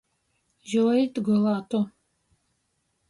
Juoīt gulātu.